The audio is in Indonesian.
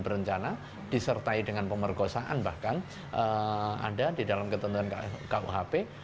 berencana disertai dengan pemerkosaan bahkan ada di dalam ketentuan kuhp